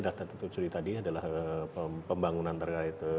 datang untuk cerita tadi adalah pembangunan terkait